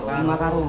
kurang lima karung